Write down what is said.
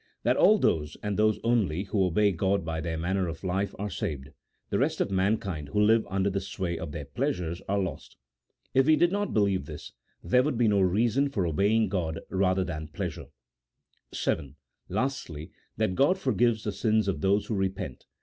That all those, and those only, who obey God by their manner of life are saved ; the rest of mankind, who live under the sway of their pleasures, are lost. If we did not believe this, there would be no reason for obeying God rather than pleasure. VJJL. Lastly, that God forgives the sins of those who re pent.